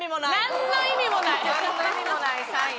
なんの意味もない３位。